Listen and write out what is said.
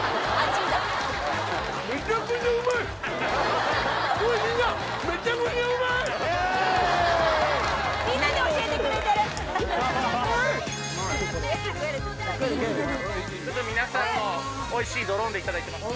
ちょっと皆さんのおいしいドローンでいただいてます